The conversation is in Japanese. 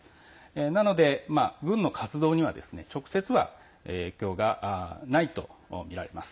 なので軍の活動には直接は影響がないとみられます。